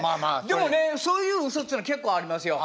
でもねそういう嘘っていうのは結構ありますよ。